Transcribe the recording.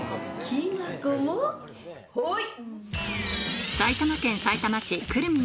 きな粉もほい！